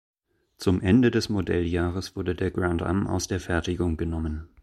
Zum Ende des Modelljahres wurde der Grand Am aus der Fertigung genommen.